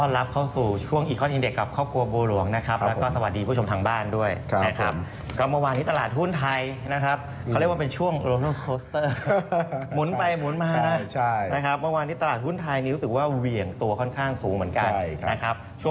แล้วก็ตีกลับขึ้นมาได้ในช่วงบ่ายแล้ว